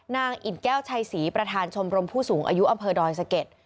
อิ่นแก้วชัยศรีประธานชมรมผู้สูงอายุอำเภอดอยสะเก็ด